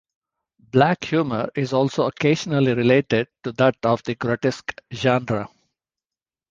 Black humor is also occasionally related to that of the grotesque genre.